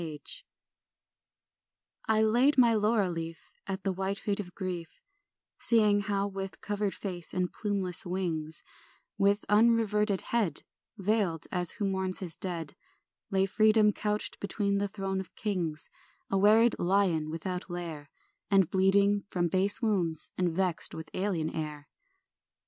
1 I LAID my laurel leaf At the white feet of grief, Seeing how with covered face and plumeless wings, With unreverted head Veiled, as who mourns his dead, Lay Freedom couched between the thrones of kings, A wearied lion without lair, And bleeding from base wounds, and vexed with alien air. STR.